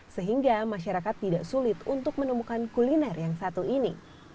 sehingga masyarakat tidak sulit untuk menemukan kuliner yang satu ini